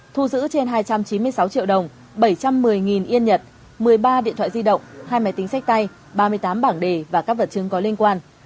thu giữ trên hai trăm chín mươi sáu triệu đồng bảy trăm một mươi yên nhật một mươi ba điện thoại di động hai máy tính sách tay ba mươi tám bảng đề và các vật chứng có liên quan